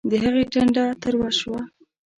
د هغې ټنډه تروه شوه